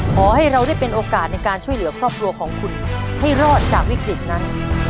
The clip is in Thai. ขอให้เราได้เป็นโอกาสในการช่วยเหลือครอบครัวของคุณให้รอดจากวิกฤตนั้น